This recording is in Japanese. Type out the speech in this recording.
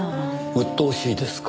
うっとうしいですか？